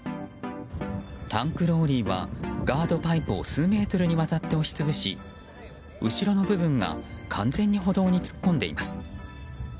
タンクローリーはガードパイプを数メートルにわたって押し潰し後ろの部分が完全に歩道に突っ込んでいます。